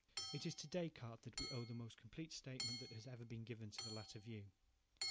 It is to Descartes that we owe the most complete statement that has ever been given of the latter view.